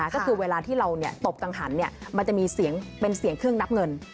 ก็คือเวลาที่เราตบกังหันมันจะมีเสียงเป็นเสียงเครื่องนับเงิน